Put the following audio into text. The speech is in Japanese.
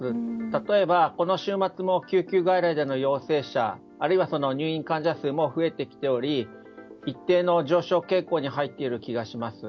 例えば、この週末も救急外来での陽性者あるいは入院患者数も増えてきており一定の上昇傾向に入っている気がします。